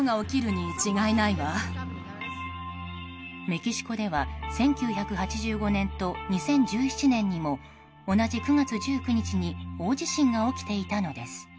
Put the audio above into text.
メキシコでは１９８５年と２０１７年にも同じ９月１９日に大地震が起きていたのです。